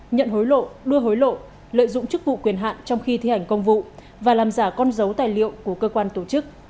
nhận hối lộ đưa hối lộ lợi dụng chức vụ quyền hạn trong khi thi hành công vụ và làm giả con dấu tài liệu của cơ quan tổ chức